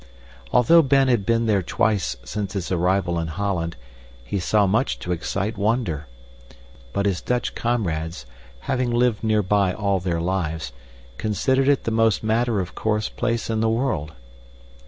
Although Ben had been there twice since his arrival in Holland, he saw much to excite wonder, but his Dutch comrades, having lived nearby all their lives, considered it the most matter of course place in the world.